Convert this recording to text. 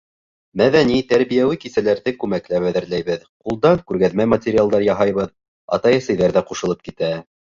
Мәҙәни, тәрбиәүи кисәләрҙе күмәкләп әҙерләйбеҙ, ҡулдан күргәҙмә материалдар яһайбыҙ, атай-әсәйҙәр ҙә ҡушылып китә.